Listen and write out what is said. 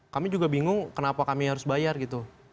kami juga bingung kenapa kami harus bayar gitu